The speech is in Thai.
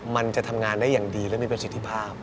มันจะทำงานได้อย่างดีและไม่เป็นเป็นสิทธิภาพ